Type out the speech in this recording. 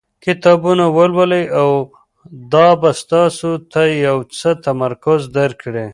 کتابونه ولولئ او دا به تاسو ته یو څه تمرکز درکړي.